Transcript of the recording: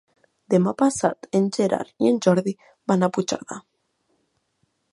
Demà passat en Gerard i en Jordi van a Puigcerdà.